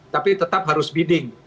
tapi tetap harus diding